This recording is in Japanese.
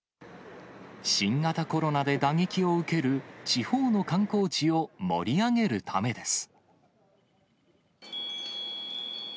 新型コロナで打撃を受ける地方の観光地を盛り上げるためです。